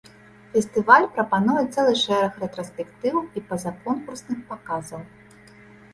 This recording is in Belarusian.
Фестываль прапануе цэлы шэраг рэтраспектываў і па-за конкурсных паказаў.